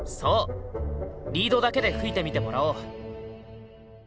リードだけで吹いてみてもらおう。